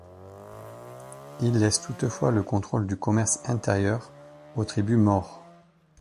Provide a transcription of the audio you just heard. Ils laissent toutefois le contrôle du commerce intérieur aux tribus maures.